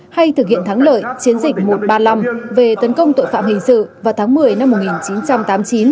hay thực hiện thắng lợi chiến dịch một trăm ba mươi năm về tấn công tội phạm hình sự vào tháng một mươi năm một nghìn chín trăm tám mươi chín